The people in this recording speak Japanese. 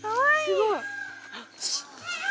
すごい！